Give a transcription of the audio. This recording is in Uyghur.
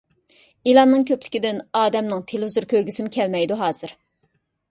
ئېلاننىڭ كۆپلۈكىدىن ئادەمنىڭ تېلېۋىزور كۆرگۈسىمۇ كەلمەيدۇ ھازىر.